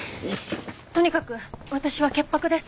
とにかく私は潔白です。